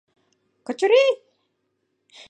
— Качырий!